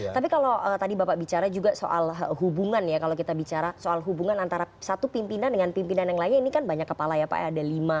tapi kalau tadi bapak bicara juga soal hubungan ya kalau kita bicara soal hubungan antara satu pimpinan dengan pimpinan yang lainnya ini kan banyak kepala ya pak ada lima